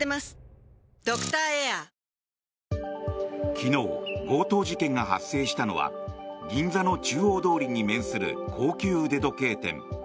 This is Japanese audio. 昨日、強盗事件が発生したのは銀座の中央通りに面する高級腕時計店。